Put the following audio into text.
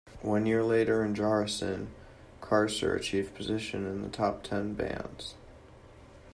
One year later in Jarocin, Karcer achieved position in top ten bands.